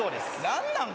何なん？